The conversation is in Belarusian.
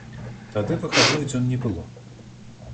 Тады выхадных дзён не было.